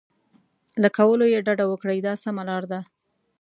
له کولو یې ډډه وکړئ دا سمه لار ده.